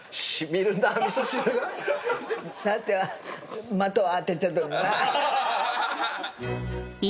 さては的を当てとるな。